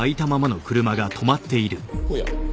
おや。